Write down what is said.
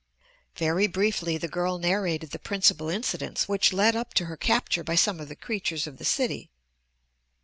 Very briefly the girl narrated the principal incidents which led up to her capture by some of the creatures of the city.